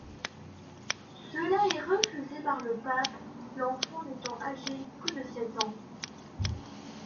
Cela est refusé par le pape, l'enfant n'étant âgé que de sept ans.